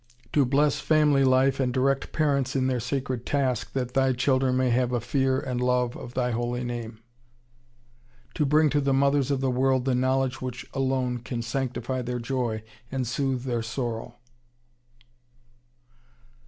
To bless family life, and direct parents in their sacred task, that Thy children may have a fear and love of Thy Holy Name. To bring to the mothers of the world the knowledge which alone can sanctify their joy and soothe their sorrow.